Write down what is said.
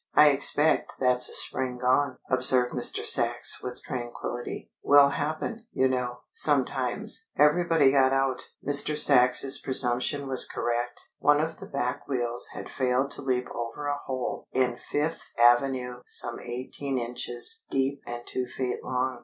"I expect that's a spring gone!" observed Mr. Sachs with tranquillity. "Will happen, you know, sometimes!" Everybody got out. Mr. Sachs's presumption was correct. One of the back wheels had failed to leap over a hole in Fifth Avenue some eighteen inches deep and two feet long.